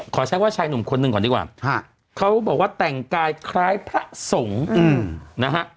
ขอใช้ว่าชายหนุ่มคนหนึ่งก่อนดีกว่าเขาบอกว่าแต่งกายคล้ายพระสงฆ์นะฮะ